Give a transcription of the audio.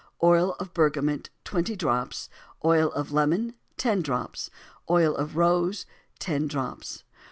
Oil of bergamot 20 drops. Oil of lemon 10 drops. Oil of rose 10 drops.